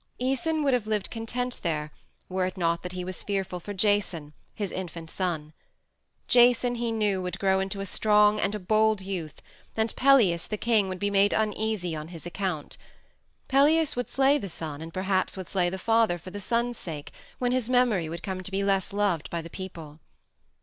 Æson would have lived content there were it not that he was fearful for Jason, his infant son. Jason, he knew, would grow into a strong and a bold youth, and Pelias, the king, would be made uneasy on his account. Pelias would slay the son, and perhaps would slay the father for the son's sake when his memory would come to be less loved by the people.